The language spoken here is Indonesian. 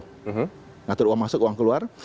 mengatur uang masuk uang keluar